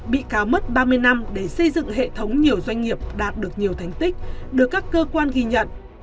bị cáo mất ba mươi năm để xây dựng hệ thống nhiều doanh nghiệp đạt được nhiều thành tích được các cơ quan ghi nhận